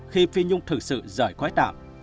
khi phi nhung thực sự rời khói tạm